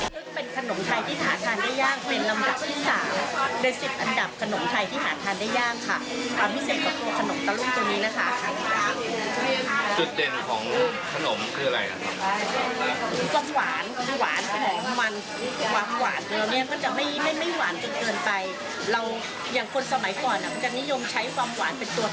แล้วก็ลดกำกาลลงลดว่ำหวานลงกันค่ะ